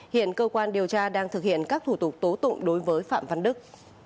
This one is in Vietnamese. hiện cơ quan điều tra đang thực hiện các thủ tục tố tụng đối với phạm văn đức